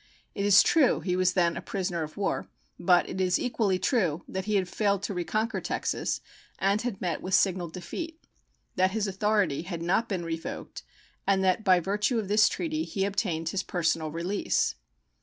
It is true he was then a prisoner of war, but it is equally true that he had failed to reconquer Texas, and had met with signal defeat; that his authority had not been revoked, and that by virtue of this treaty he obtained his personal release.